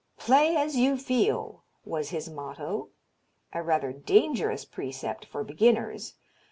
"Play as you feel," was his motto, a rather dangerous precept for beginners.